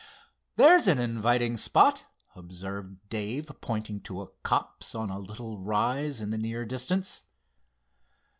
"There's an inviting spot," observed Dave, pointing to a copse on a little rise in the near distance.